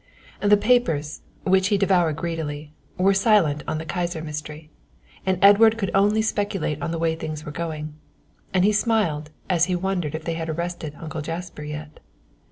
The papers, which he devoured greedily, were silent on the Kyser mystery, and Edward could only speculate on the way things were going, and he smiled as he wondered if they had arrested Uncle Jasper yet.